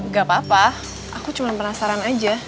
gak apa apa aku cuma penasaran aja